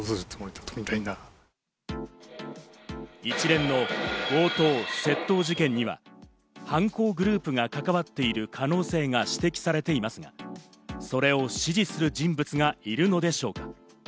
一連の強盗・窃盗事件には犯行グループが関わっている可能性が指摘されていますが、それを指示する人物がいるのでしょうか？